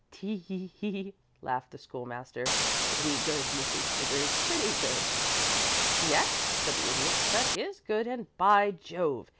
"Tee he hee!" laughed the School master. "Pretty good, Mrs. Smithers pretty good." "Yes," said the Idiot. "That is good, and, by Jove!